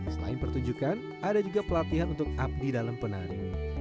selain pertunjukan ada juga pelatihan untuk abdi dalam penari